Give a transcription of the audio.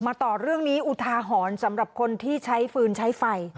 ต่อเรื่องนี้อุทาหรณ์สำหรับคนที่ใช้ฟืนใช้ไฟ